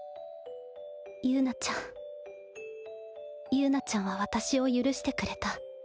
友奈ちゃんは私を許してくれた。